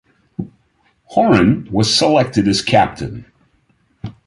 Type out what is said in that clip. Horan was selected as captain.